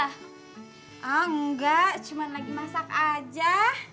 oh enggak cuma lagi masak aja